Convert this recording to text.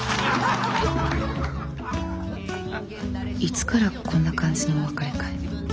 いつからこんな感じのお別れ会？